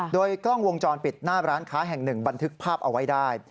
โดยกล้องวงจรปิดหน้าร้านค้าแห่งหนึ่งบันทึกภาพเอาไว้ได้